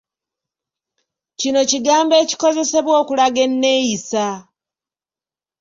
Kino kigambo ekikozesebwa okulaga enneeyisa.